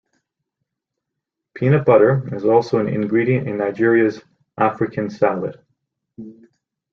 Peanut butter is also an ingredient in Nigeria's "African salad".